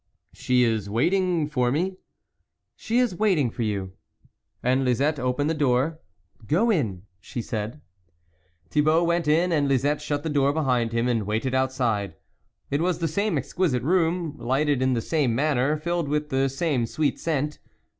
1 She is waiting for me ?"' She is waiting for you." And Lisette opened the door. " Go in,' 1 she said. Thibault went in, and Lisette shut the door behind him and waited outside. It was the same exquisite room, lighted in the same manner, filled with the same sweet scent.